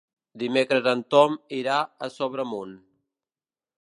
Dimecres en Tom irà a Sobremunt.